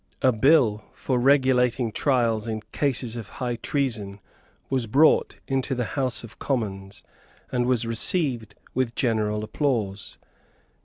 A bill for regulating trials in cases of high treason was brought into the House of Commons, and was received with general applause.